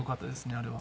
あれは。